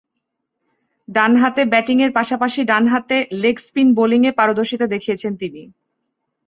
ডানহাতে ব্যাটিংয়ের পাশাপাশি ডানহাতে লেগ স্পিন বোলিংয়ে পারদর্শিতা দেখিয়েছেন তিনি।